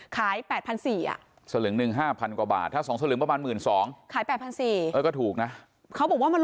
ขายแบบ๘๔๐๐อ่ะ